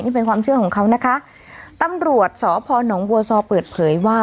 นี่เป็นความเชื่อของเขานะคะตำรวจสพนบัวซอเปิดเผยว่า